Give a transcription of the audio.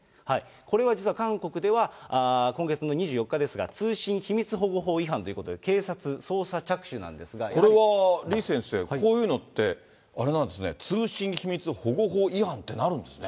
これは実は韓国では、今月の２４日ですが、通信秘密保護法違反ということで警察、これは李先生、こういうのってあれなんですね、通信秘密保護法違反ってなるんですね。